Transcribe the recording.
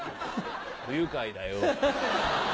不愉快だよ。